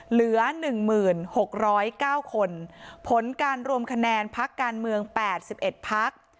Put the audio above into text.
เหลือหนึ่งหมื่นหกร้อยเก้าคนผลการรวมคะแนนพักการเมืองแปดสิบเอ็ดพัก